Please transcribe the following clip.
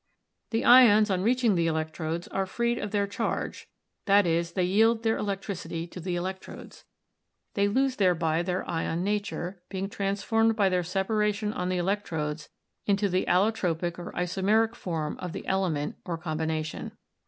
"The ions, on reaching the electrodes, are freed of their charge, i.e., they yield their electricity to the electrodes. They lose thereby their ion nature, being transformed by their separation on the electrodes into the ailotropic or iso meric form of the element or combination."